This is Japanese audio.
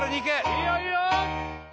いいよいいよ